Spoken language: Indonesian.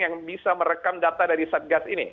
yang bisa merekam data dari satgas ini